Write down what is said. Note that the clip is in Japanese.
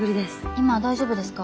今大丈夫ですか？